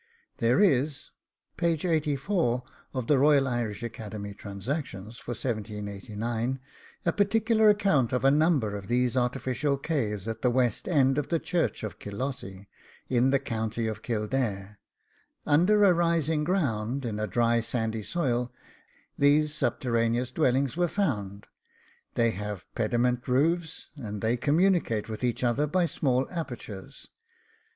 There is (p.84 of the R. I. A. TRANSACTIONS for 1789) a particular account of a number of these artificial caves at the west end of the church of Killossy, in the county of Kildare. Under a rising ground, in a dry sandy soil, these subterraneous dwellings were found: they have pediment roofs, and they communicate with each other by small apertures.